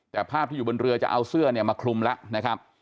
แต่ภาพที่อยู่บนเรือจะเอาเสื้อเนี่ยมาคลุมแล้วนะครับ